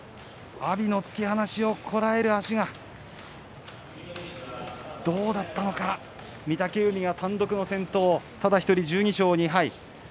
阿炎への突き放しをこらえる足がどうだったのか御嶽海が単独の先頭１２勝２敗。